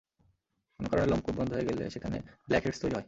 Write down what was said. কোনো কারণে লোমকূপ বন্ধ হয়ে গেলে সেখানে ব্ল্যাক হেডস তৈরি হয়।